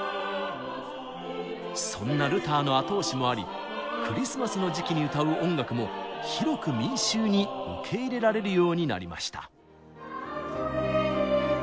そんなルターの後押しもありクリスマスの時期に歌う音楽も広く民衆に受け入れられるようになりました。